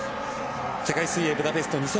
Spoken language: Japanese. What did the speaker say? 世界水泳ブダペスト２０２２